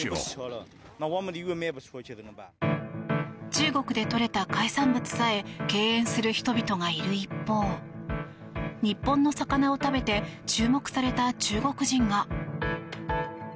中国でとれた海産物さえ敬遠する人々がいる一方日本の魚を食べて注目された中国人が。